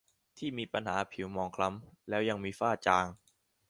ที่มีปัญหาผิวหมองคล้ำแล้วยังมีฝ้าจาง